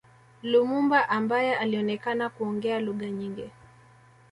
Lumumba ambaye alionekana kuongea lugha nyingi